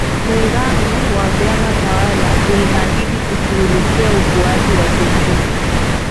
Muungano wa vyama tawala ulihahidi kushughulikia ukuaji wa kiuchumi